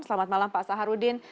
selamat malam pak saharudin